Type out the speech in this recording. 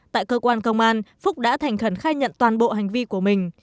tại cơ quan công an phúc đã thành khẩn khai nhận toàn bộ hành vi của mình